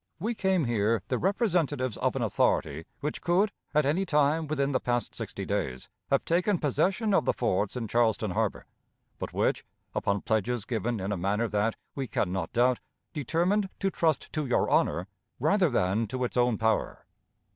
We came here the representatives of an authority which could, at any time within the past sixty days, have taken possession of the forts in Charleston Harbor, but which, upon pledges given in a manner that, we can not doubt, determined to trust to your honor rather than to its own power.